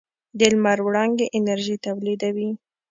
د لمر وړانګې انرژي تولیدوي.